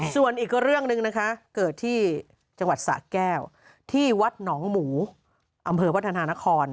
ส่วนอีกเรื่องหนึ่งนะคะเกิดที่จังหวัดสะแก้วที่วัดหนองหมูอำเภอวัฒนานคร